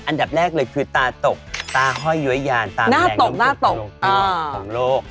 อันดับแรกเลยคือตาตกตาห้อยย้วยยานตาหน้าตกหน้าตกของโลก